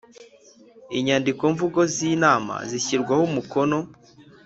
Inyandikomvugo z inama zishyirwaho umukono